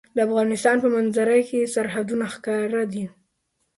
د افغانستان په منظره کې سرحدونه ښکاره ده.